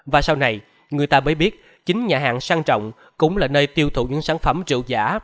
và sau này người ta mới biết chính nhà hàng sang trọng cũng là nơi tiêu thụ những sản phẩm rượu giả